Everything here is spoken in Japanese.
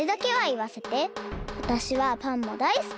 わたしはパンもだいすき！